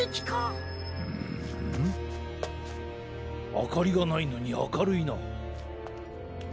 あかりがないのにあかるいな。